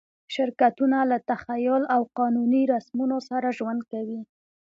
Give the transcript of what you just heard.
شرکتونه له تخیل او قانوني رسمونو سره ژوند کوي.